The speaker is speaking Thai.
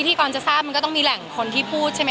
ที่กรจะทราบมันก็ต้องมีแหล่งคนที่พูดใช่ไหม